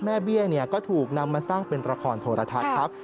แม่เบี้ยนี่ก็ถูกนำมาสร้างเป็นละครโทรทักครับ